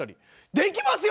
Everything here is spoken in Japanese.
できますよ